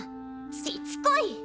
しつこい！